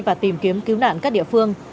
và tìm kiếm cứu nạn các địa phương